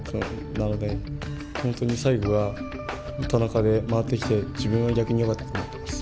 なので本当に最後は田中で回ってきて自分は逆によかったって思ってます。